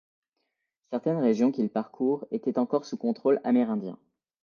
Certaines régions qu'il parcourt étaient encore sous contrôle amérindien.